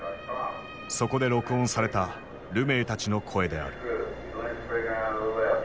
そこで録音されたルメイたちの声である。